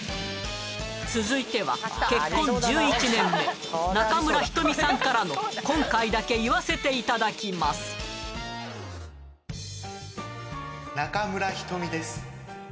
続いては結婚１１年目中村仁美さんからの今回だけ言わせていただきます中村仁美です